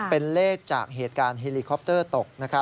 เป็นเลขจากเหตุการณ์เฮลิคอปเตอร์ตก